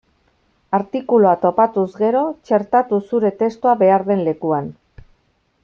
Artikulua topatuz gero, txertatu zure testua behar den lekuan.